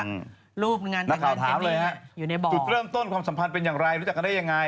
นักข่าวถามเลยฮะจุดเริ่มต้นความสัมพันธ์เป็นอย่างไรรู้จักกันได้ยังไง